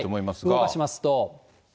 動かしますと。